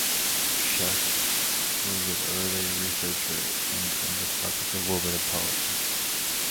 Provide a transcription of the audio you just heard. Schuck was an early researcher in the topic of women and politics.